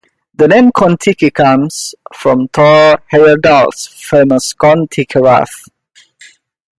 The name "Contiki" comes from Thor Heyerdahl's famous Kon-Tiki raft.